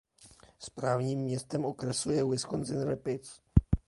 Správním městem okresu je Wisconsin Rapids.